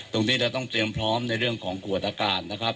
ตรงนี้เราต้องเตรียมพร้อมในเรื่องของกวดอากาศนะครับ